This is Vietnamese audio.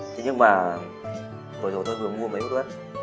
thế nhưng mà hồi rồi tôi vừa mua mấy phương tiện